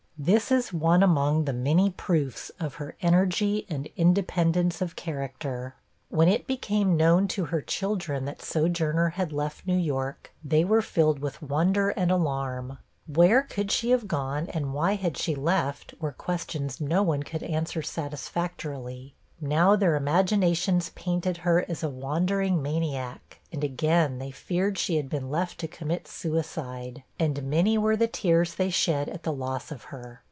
This is one among the many proofs of her energy and independence of character. When it became known to her children, that Sojourner had left New York, they were filled with wonder and alarm. Where could she have gone, and why had she left? were questions no one could answer satisfactorily. Now, their imaginations painted her as a wandering maniac and again they feared she had been left to commit suicide; and many were the tears they shed at the loss of her.